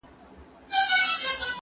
سپينکۍ مينځه